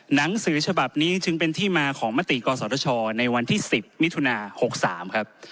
หนังสือฉบับนี้จึงเป็นที่มาของมติกศธชในวันที่๑๐มิถุนา๖๓ครับ